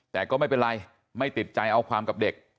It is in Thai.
แต่ก็ไม่เป็นไรไม่ติดใจเอาความกับเด็ก